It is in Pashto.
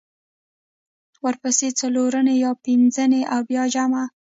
ورپسې څلورنۍ بیا پینځنۍ او بیا جمعه